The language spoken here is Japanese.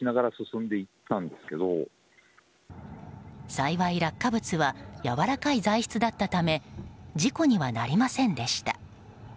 幸い、落下物はやわらかい材質だったため事故にはなりませんでした。